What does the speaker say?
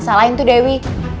salahin tuh dewi